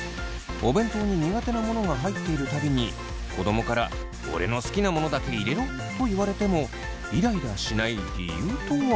お弁当に苦手なものが入っている度に子どもから「オレの好きなものだけ入れろ！」と言われてもイライラしない理由とは？